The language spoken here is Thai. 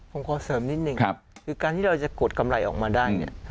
ผมขอเสริมนิดนึงคือการที่เราจะกดกำไรออกมาได้เนี่ย